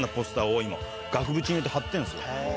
今額縁に入れて張ってんですよ。